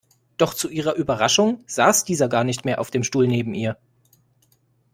Doch zu ihrer Überraschung saß dieser gar nicht mehr auf dem Stuhl neben ihr.